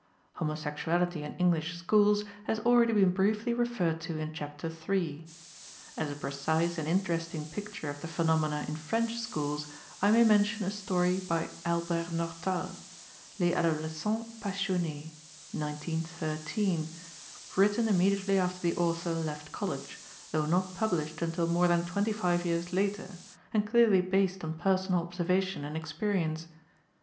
Homosexuality in English schools has already been briefly referred to in chapter iii. As a precise and interesting picture of the phenomena in French schools, I may mention a story by Albert Nortal, Les Adolescents Passionnés (1913), written immediately after the author left college, though not published until more than twenty five years later, and clearly based on personal observation and experience.